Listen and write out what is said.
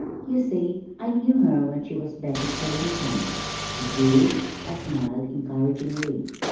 You see, I knew her when she was Betty Tillington." "Did you?" I smiled encouragingly.